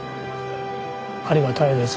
ありがたいです